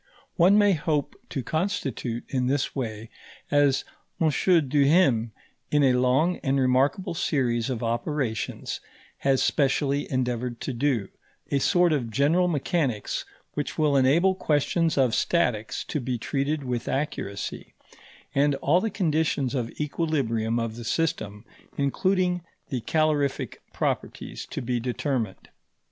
One may hope to constitute in this way, as M. Duhem in a long and remarkable series of operations has specially endeavoured to do, a sort of general mechanics which will enable questions of statics to be treated with accuracy, and all the conditions of equilibrium of the system, including the calorific properties, to be determined.